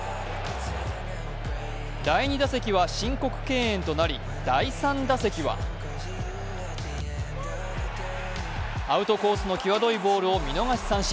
第２打席は申告敬遠となり、第３打席はアウトコースのきわどいボールを見逃し三振。